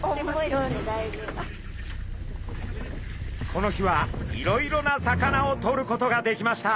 この日はいろいろな魚をとることができました。